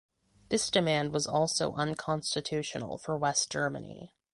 This demand was also unconstitutional for West Germany.